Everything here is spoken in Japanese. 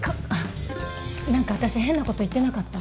なんか私変な事言ってなかった？